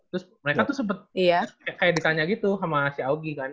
terus mereka tuh sempet kayak ditanya gitu sama si augi kan